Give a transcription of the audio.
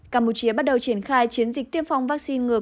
campuchia bắt đầu triển khai chiến dịch tiêm phòng vaccine ngừa